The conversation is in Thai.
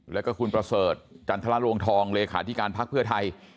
แล้วก็คุณประเสริฐจันทรลวงทองเลขาธิการพักเพื่อไทย